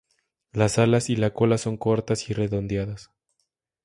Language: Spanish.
Las alas y la cola son cortas y redondeadas.